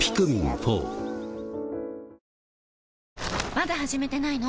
まだ始めてないの？